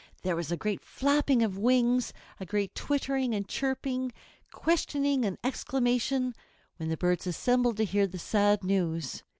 There was a great flapping of wings, a great twittering and chirping, questioning and exclamation when the birds assembled to hear the sad news.